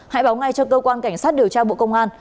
hãy báo ngay cho cơ quan cảnh sát điều tra bộ công an